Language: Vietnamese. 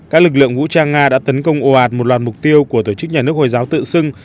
các lực lượng vũ trang nga đã tấn công ồ ạt một loạt mục tiêu của tổ chức nhà nước hồi giáo tự xưng